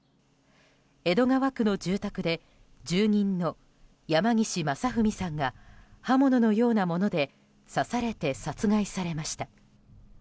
江戸川区の住宅で住人の山岸正文さんが刃物のようなもので刺されて殺害されました。